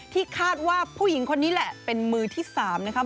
ที่คาดว่าผู้หญิงคนนี้แหละเป็นมือที่๓นะครับ